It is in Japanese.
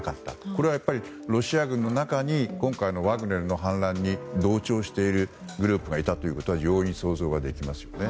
これはロシア軍の中に今回のワグネルの反乱に同調しているグループがいたということは容易に想像ができますよね。